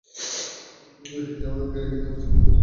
এই জার্মান বিজ্ঞানীকে নিয়ে আমি চিন্তিত।